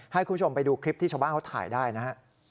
ให้คุณผู้ชมไปดูคลิปที่ชาวบ้านเขาถ่ายได้นะฮะ